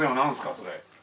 それ。